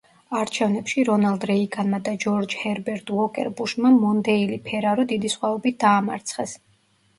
არჩევნებში რონალდ რეიგანმა და ჯორჯ ჰერბერტ უოკერ ბუშმა მონდეილი-ფერარო დიდი სხვაობით დაამარცხეს.